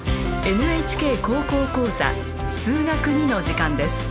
「ＮＨＫ高校講座数学Ⅱ」の時間です。